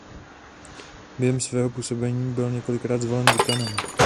Během svého působení byl několikrát zvolen děkanem.